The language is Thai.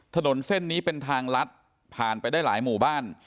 ถนนเส้นนี้เป็นทางลัดผ่านไปได้หลายหมู่บ้าน